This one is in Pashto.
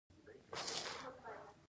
که دښمن هم پنا وغواړي پښتون یې ساتي.